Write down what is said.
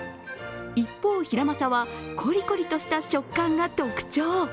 一方、ヒラマサはこりこりとした食感が特徴。